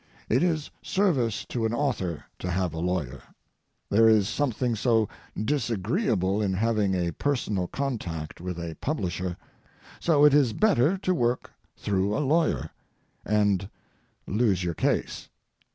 It is service to an author to have a lawyer. There is something so disagreeable in having a personal contact with a publisher. So it is better to work through a lawyer—and lose your case.